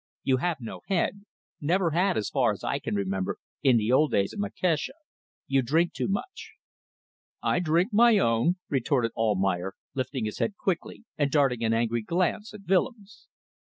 "You have no head. Never had, as far as I can remember, in the old days in Macassar. You drink too much." "I drink my own," retorted Almayer, lifting his head quickly and darting an angry glance at Willems.